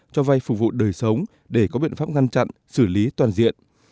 cho vay phục vụ đời sống để có biện pháp ngăn chặn xử lý toàn diện